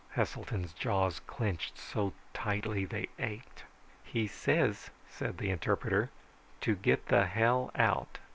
Heselton's jaws clenched so tightly they ached. "He says," said the interpreter, "to get the hell out."